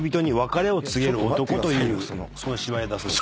その芝居だそうです。